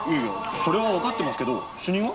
それはわかってますけど主任は？